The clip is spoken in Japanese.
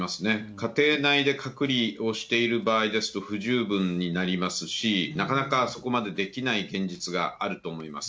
家庭内で隔離をしている場合ですと、不十分になりますし、なかなかそこまでできない現実があると思います。